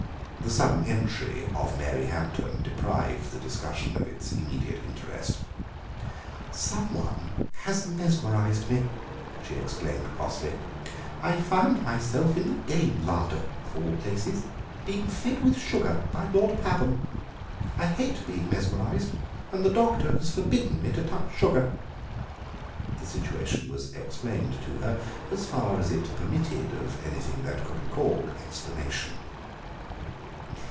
The sudden entry of Mary Hampton deprived the discussion of its immediate interest. "Some one has mesmerised me," she exclaimed crossly; "I found myself in the game larder, of all places, being fed with sugar by Lord Pabham. I hate being mesmerised, and the doctor has forbidden me to touch sugar." The situation was explained to her, as far as it permitted of anything that could be called explanation.